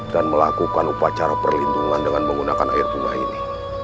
dan melakukan upacara perlindungan dengan menggunakan air bunga ini